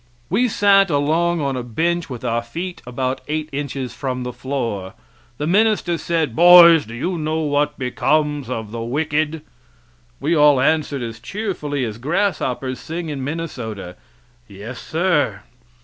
We sat along on a bench with our feet about eight inches from the floor. The minister said, "Boys, do you know what becomes of the wicked?" We all answered as cheerfully as grasshoppers sing in Minnesota, "Yes, sir."